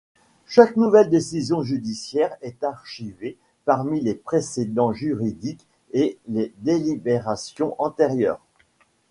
Chaque nouvelle décision judiciaire est archivée parmi les précédents juridiques et les délibérations antérieures.